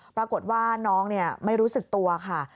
ปรากฏว่าน้องไม่รู้สึกตัวค่ะ